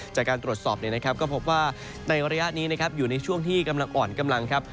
จากการตรวจสอบก็พบว่าในระยะนี้นะครับอยู่ในช่วงที่กำลังอ่อนกำลังครับ